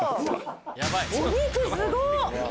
お肉すごっ。